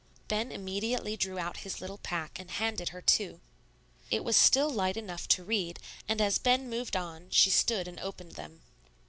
Ben immediately drew out his little pack, and handed her two. It was still light enough to read; and as Ben moved on, she stood and opened them.